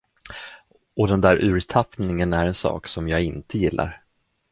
Och den där urtappningen är en sak, som jag inte gillar.